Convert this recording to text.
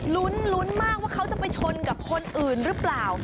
ลุ้นมากว่าเขาจะไปชนกับคนอื่นหรือเปล่า